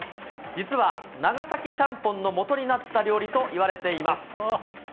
実は、長崎ちゃんぽんのもとになった料理といわれています。